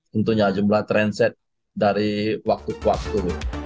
tentunya jumlah train set dari waktu ke waktu